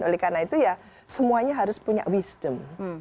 oleh karena itu ya semuanya harus punya wisdom